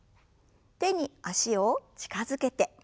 手に脚を近づけて。